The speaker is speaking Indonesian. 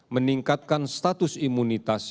meningkatkan status imunitas